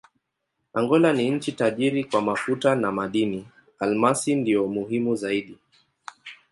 Angola ni nchi tajiri kwa mafuta na madini: almasi ndiyo muhimu zaidi.